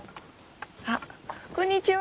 あこんにちは。